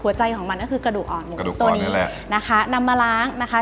หัวใจของมันก็คือกระดูกอ่อนหมูกระดูกตัวนี้นะคะนำมาล้างนะคะ